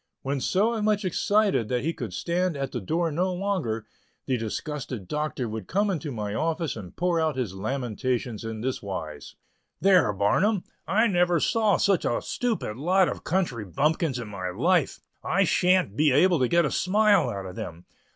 When so much excited that he could stand at the door no longer, the disgusted Doctor would come into my office and pour out his lamentations in this wise: "There, Barnum, I never saw such a stupid lot of country bumpkins in my life. I shan't be able to get a smile out of them.